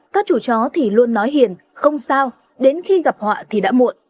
các chủ chó thì luôn nói hiền không sao đến khi gặp họa thì đã muộn